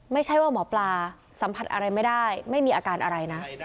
ไม่ใช่ว่าหมอปลาสัมผัสอะไรไม่ได้ไม่มีอาการอะไรนะ